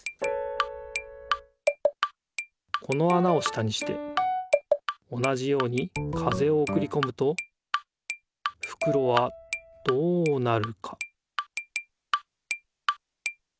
このあなを下にして同じように風をおくりこむとふくろはどうなるか？